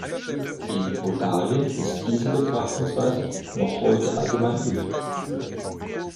In Bulgarien ist diese Betrachtungsweise noch heute allgemein üblich.